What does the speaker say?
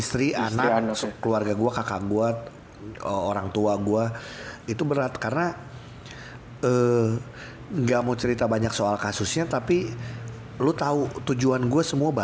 istri anak keluarga gue kakak gue orang tua gue itu berat karena enggak mau cerita banyak soal kasusnya tapi lo tahu tujuan gue semua